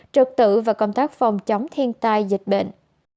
trực tự và công tác phòng chống thiên tai dịch bệnh